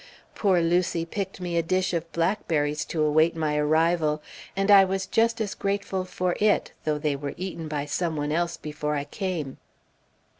Poor Lucy picked me a dish of blackberries to await my arrival, and I was just as grateful for it, though they were eaten by some one else before I came.